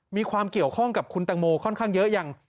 มีความเกี่ยวข้องกับคุณตังโมค่อนข้างเยอะยัง